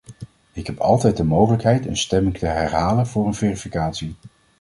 Ik heb altijd de mogelijkheid een stemming te herhalen voor een verificatie.